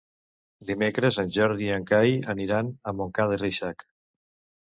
Dimecres en Jordi i en Cai aniran a Montcada i Reixac.